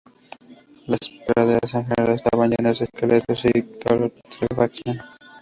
Las praderas, en general, estaban llenas de esqueletos y con olor a putrefacción.